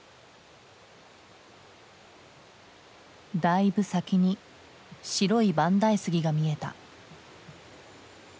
だいぶ先に白い万代杉が見えた。